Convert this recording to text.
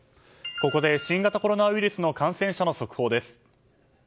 ここで新型コロナウイルスの感染者の速報です。